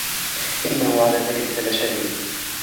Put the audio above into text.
وإنه على ذلك لشهيد